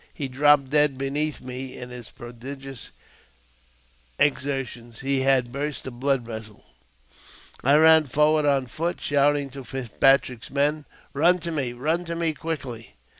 He dropped dead beneath me ; in his prodigious exertions he had burst a blood vessel. I ran forward on foot, shouting to Fitzpatrick's men, " Eun to me ! Run to me quickly